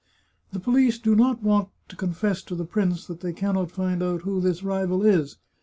" The police do not want to confess to the prince that they can not find out who this rival is.